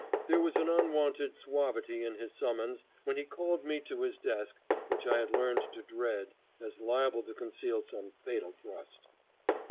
There was an unwonted suavity in his summons when he called me to his desk which I had learned to dread as liable to conceal some fatal thrust.